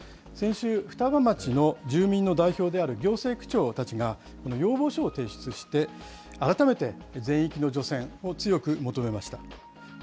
先週、双葉町の住民の代表である行政区長たちが、要望書を提出して、改めて全域の除染を強く求めました。